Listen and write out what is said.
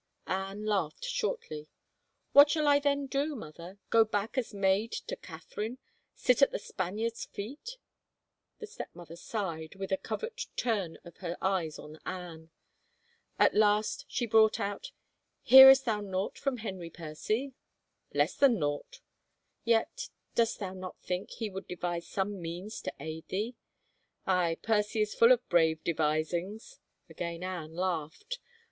*' Anne laughed shortly. " What shall I then do, mother? Go back as maid to Catherine? Sit at the Spaniard's feet ?" The stepmother sighed, with a covert turn of her eyes on Anne. At last she brought out, " Hearest thou naught from Henry Percy?" " Less than naught." " Yet — dost thou not think he would devise some means to aid thee ?"" Aye, Percy is full of brave devisings 1 " Again Anne laughed.